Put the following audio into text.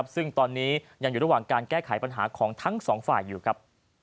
ซึ่งตอนนี้ยังอยู่ระหว่างการแก้ไขปัญหาของทั้งสองฝ่ายอยู่ครับ